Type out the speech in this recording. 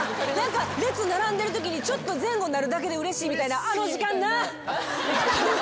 列並んでるときにちょっと前後になるだけでうれしいみたいな。